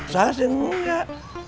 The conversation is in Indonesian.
salah sih enggak